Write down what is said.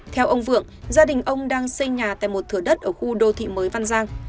theo ông vượng gia đình ông đang xây nhà tại một thửa đất ở khu đô thị mới văn giang